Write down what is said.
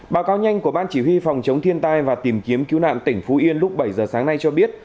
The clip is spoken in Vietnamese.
báo cáo nhanh của ban chỉ huy phòng chống thiên tai và tìm kiếm cứu nạn tỉnh phú yên lúc bảy giờ sáng nay cho biết